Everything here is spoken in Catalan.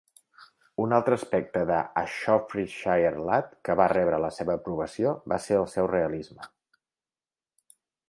Un altre aspecte d'"A Shropshire Lad" que va rebre la seva aprovació va ser el seu realisme.